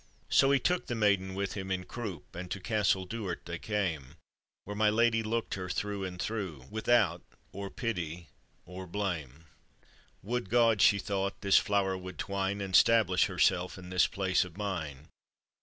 So he took the maiden with him in croup, And to Castle Duard they came, Where my lady looked her through and through, Without or pity or blame: "Would God," she thought, "this flower would twine And stablish herself in this place of mine!